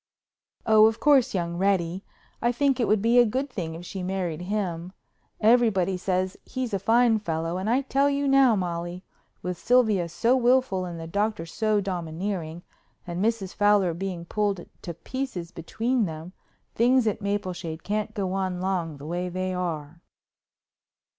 "Oh, of course, young Reddy. I think it would be a good thing if she married him. Everybody says he's a fine fellow, and I tell you now, Molly, with Sylvia so willful and the doctor so domineering and Mrs. Fowler being pulled to pieces between them, things at Mapleshade can't go on long the way they are."